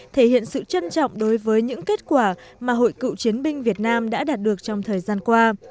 thể hiện sự trân trọng đối với những kết quả mà hội cựu chiến binh việt nam đã đạt được trong thời gian qua